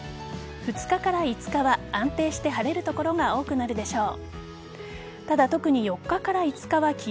２日から５日は安定して晴れる所が多くなるでしょう。